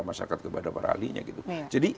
masyarakat kepada para ahlinya gitu jadi